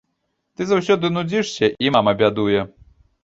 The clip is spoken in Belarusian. Ты заўсёды нудзішся, і мама бядуе.